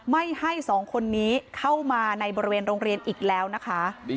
ไม่ให้สองคนนี้เข้ามาในบริเวณโรงเรียนอีกแล้วนะคะ